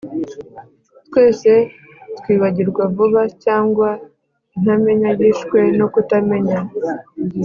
twese twibagirwa vuba, cyangwa intamenya yishwe no kutamenya!